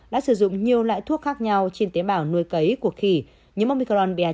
đã sử dụng nhiều loại thuốc khác nhau trên tế bảo nuôi cấy của khỉ như omicron ba hai